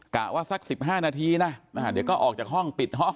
กะว่าสัก๑๕นาทีนะเดี๋ยวก็ออกจากห้องปิดห้อง